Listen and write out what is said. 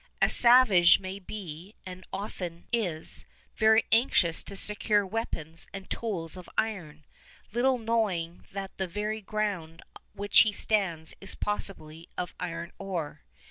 A savage may be, and often is, very anxious to secure weapons and tools of iron, little knowing that the very ground upon which he stands is possibly of iron ore.